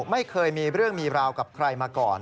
ไม่เคยมีเรื่องมีราวกับใครมาก่อน